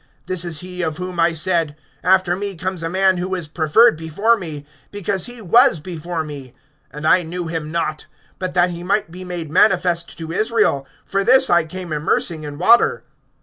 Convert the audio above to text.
(30)This is he of whom I said: After me comes a man who is preferred before me; because he was before me[1:30]. (31)And I knew him not; but that he might be made manifest to Israel, for this I came immersing in water.